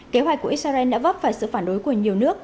kế hoạch của israel đã vấp phải sự phản đối của nhiều nước